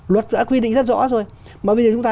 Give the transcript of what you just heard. luật đã quy định rất rõ rồi mà bây giờ chúng ta